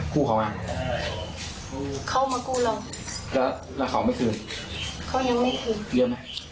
ก็รวมเร็วเป็นแช่